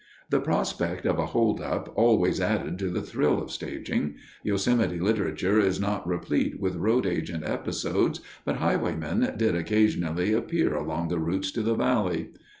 The prospect of a holdup always added to the thrill of staging. Yosemite literature is not replete with road agent episodes, but highwaymen did occasionally appear along the routes to the valley.